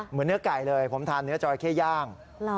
เหมือนเนื้อไก่เลยผมทานเนื้อจอราเข้ย่าง